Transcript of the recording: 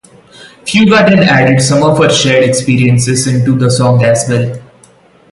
Fuga then added some of her shared experiences into the song as well.